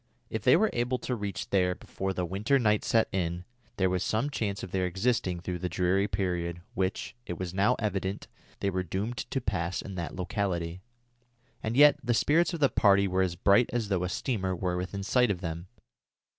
If they were able to reach there before the winter night set in, there was some chance of their existing through the dreary period which, it was now evident, they were doomed to pass in that locality. And yet the spirits of the party were as bright as though a steamer were within sight of them.